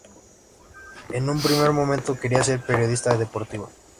En un primer momento quería ser periodista deportiva.